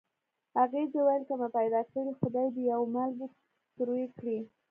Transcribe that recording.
اغزي ویل که مې پیدا کړې خدای دې یو مالګی تروې کړي.